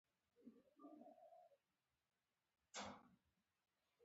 متل دی: بارونه یې تړل اوښانو ژړل.